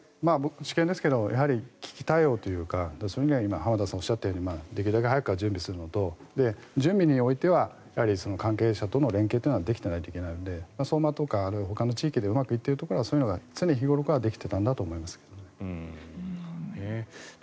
私見ですけどやはり危機対応というかそういうのは今、浜田さんがおっしゃったみたいにできるだけ早く準備するのと準備においては関係者との連携ができていないといけないので相馬とかほかの地域でうまくいっているところはそういうのが常日頃からできていたんだと思いますね。